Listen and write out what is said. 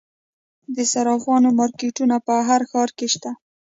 د صرافانو مارکیټونه په هر ښار کې شته